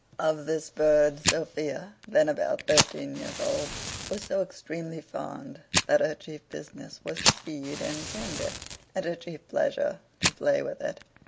Of this bird, Sophia, then about thirteen years old, was so extremely fond, that her chief business was to feed and tend it, and her chief pleasure to play with it.